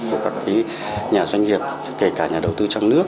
của các nhà doanh nghiệp kể cả nhà đầu tư trong nước